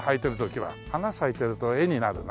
花咲いてると絵になるな。